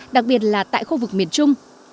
đặc biệt là tại khu vực miền trung